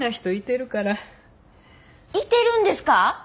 いてるんですか！？